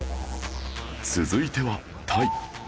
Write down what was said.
続いてはタイ